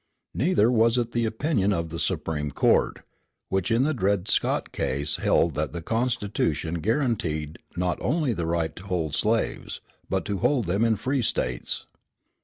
Neither was it the opinion of the Supreme Court, which in the Dred Scott case held that the Constitution guaranteed not only the right to hold slaves, but to hold them in free States.